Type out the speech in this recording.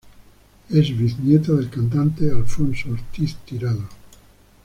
Es bisnieta del cantante Alfonso Ortiz Tirado.